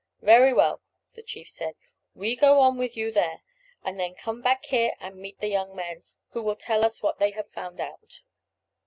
"Very well," the chief said. "We go on with you there, and then come back here and meet the young men, who will tell us what they have found out."